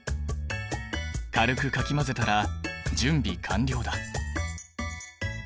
軽くかき混ぜたら準備完了だ。